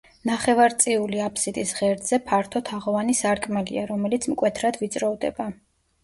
ნახევარწიული აფსიდის ღერძზე ფართო თაღოვანი სარკმელია, რომელიც მკვეთრად ვიწროვდება.